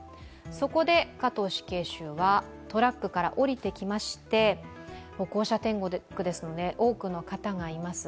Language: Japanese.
そこで加藤死刑囚はトラックから降りてきまして歩行者天国ですので、多くの方がいます。